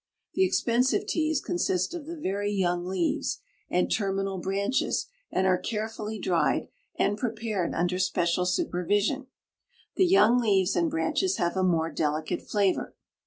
The expensive teas consist of the very young leaves and terminal branches and are carefully dried and prepared under special supervision. The young leaves and branches have a more delicate flavor.